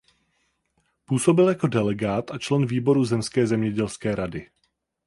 Působil jako delegát a člen výboru zemské zemědělské rady.